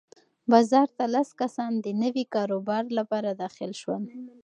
بازار ته لس کسان د نوي کاروبار لپاره داخل شول.